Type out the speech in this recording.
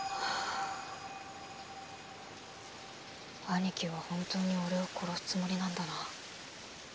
兄貴は本当に俺を殺すつもりなんだな。